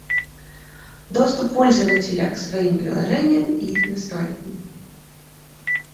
Доступ пользователя к своим приложениями и их настройкам